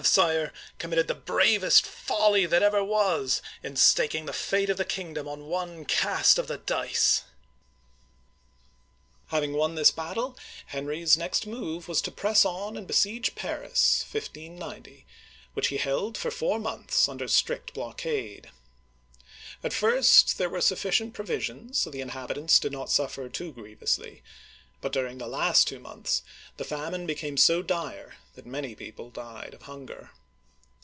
Sire, com mitted the bravest folly that ever was, in staking the fate of the kingdom on one cast of the dice !" Having won this battle, Henry's next move was to press on and besiege Paris (1590), which he held for four months uigiTizea Dy vjiOOQlC HENRY IV. (1589 1610) 285 under strict blockade. At first there were sufficient pro visions so the inhabitants did not suffer too grievously; but during the last two months the famine became so dire that many people died of hunger.